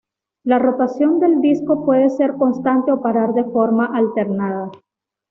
La rotación del disco puede ser constante o parar de forma alternada.